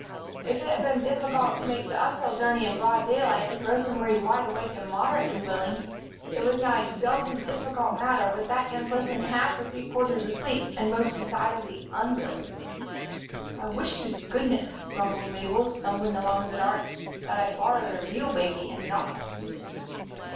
If it had been difficult to make the uphill journey in broad daylight with Rosa Marie wide awake and moderately willing, it was now a doubly difficult matter with that young person half or three quarters asleep and most decidedly unwilling. "I wish to goodness," grumbled Mabel, stumbling along in the dark, "that I'd borrowed a real baby and not a heathen."